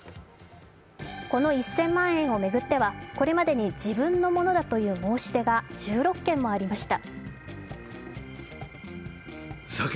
この１０００万円を巡っては、これまでに自分のものだという申し出が１６件もありました。